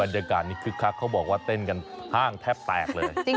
บรรยากาศนี้คึกคักเขาบอกว่าเต้นกันห้างแทบแตกเลย